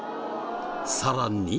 さらに。